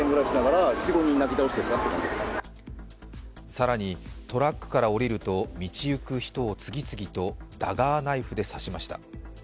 更に、トラックから降りると道行く人を次々とダガーナイフで刺しました。